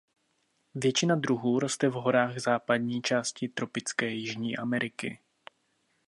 Většina druhů roste v horách západní části tropické Jižní Ameriky.